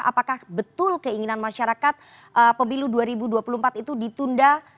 apakah betul keinginan masyarakat pemilu dua ribu dua puluh empat itu ditunda